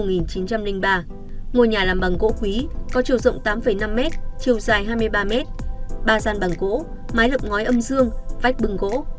ngôi nhà làm bằng gỗ quý có chiều rộng tám năm m chiều dài hai mươi ba m ba gian bằng gỗ mái lập ngói âm dương vách bừng gỗ